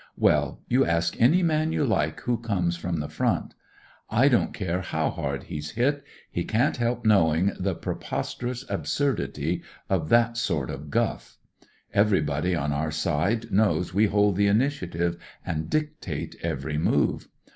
Well, you ask any man you like who comes from the front. I don't care how hard he's hit: he can't help knowing the preposterous absurdity of that sort of guff. Everybody on our side knows we hold the initiative and dictate every move.